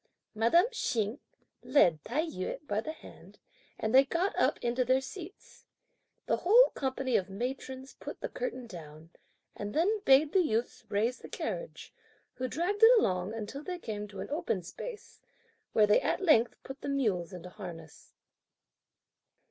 Madame Hsing led Tai yü by the hand and they got up into their seats. The whole company of matrons put the curtain down, and then bade the youths raise the carriage; who dragged it along, until they came to an open space, where they at length put the mules into harness.